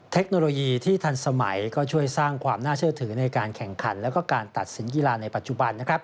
เทคโนโลยีที่ทันสมัยก็ช่วยสร้างความน่าเชื่อถือในการแข่งขันและการตัดสินกีฬาในปัจจุบัน